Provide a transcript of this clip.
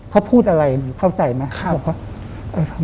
เขาพูดอะไรเข้าใจไหม